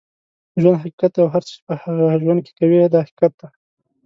ژوند حقیقت دی اوهر څه چې په ژوند کې کوې هم دا حقیقت دی